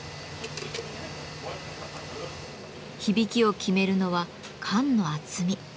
響きを決めるのは管の厚み。